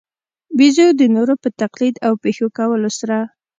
بېزو د نورو په تقلید او پېښو کولو سره.